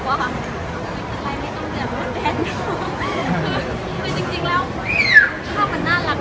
คือว่าเราไม่ได้ข่าวสังหัวทั้งการออกมาในชีวิตการ์ดอย่างหนึ่ง